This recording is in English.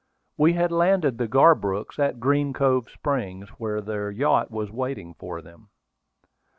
We had landed the Garbrooks at Green Cove Springs, where their yacht was waiting for them.